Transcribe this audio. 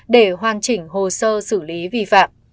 để hoàn chỉnh hồ sơ xử lý vi phạm